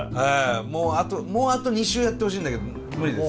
もうあともうあと２週やってほしいんだけど無理ですよね。